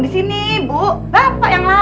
bisa berubah juga